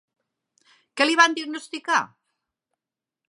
Què li van diagnosticar?